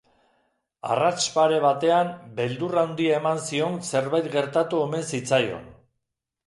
Arrats pare batean, beldur handia eman zion zerbait gertatu omen zitzaion.